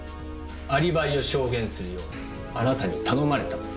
アリバイを証言するようあなたに頼まれたって。